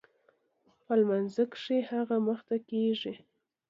په لمانځه کښې هغه مخته کېږي.